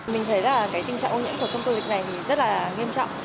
mình thấy là tình trạng ô nhiễm của sông tô lịch này rất là nghiêm trọng